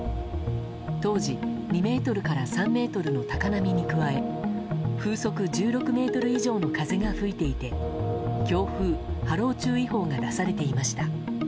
当時、２ｍから３ｍの高波に加え風速１６メートル以上の風が吹いていて強風・波浪注意報が出されていました。